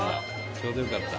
ちょうどよかった。